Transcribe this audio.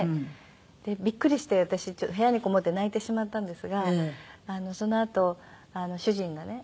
でビックリして私部屋にこもって泣いてしまったんですがそのあと主人がね